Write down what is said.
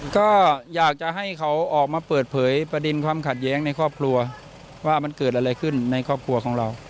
ก็อยากจะให้เขาออกมาเปิดเผยประเด็นความขัดแย้งในครอบครัวว่ามันเกิดอะไรขึ้นในครอบครัวของเรา